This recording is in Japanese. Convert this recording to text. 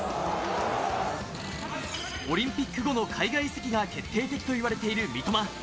オリンピック後の海外移籍が決定的と言われている三笘。